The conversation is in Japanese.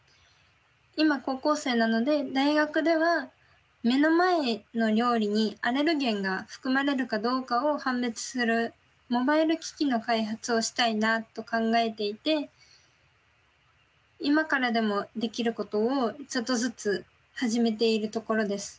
今高校生なので大学では目の前の料理にアレルゲンが含まれるかどうかを判別するモバイル機器の開発をしたいなと考えていて今からでもできることをちょっとずつ始めているところです。